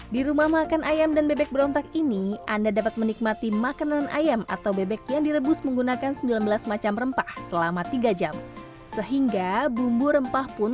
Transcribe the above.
di rumah makan ayam dan bebek berontak ini anda dapat menikmati makanan ayam atau bebek yang direbus menggunakan sendirian